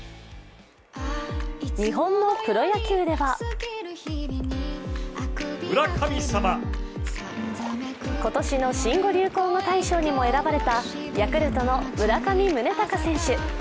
日本のプロ野球では今年の新語・流行語大賞にも選ばれたヤクルトの村上宗隆選手。